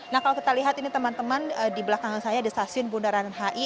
nah kalau kita lihat ini teman teman di belakang saya di stasiun bundaran hi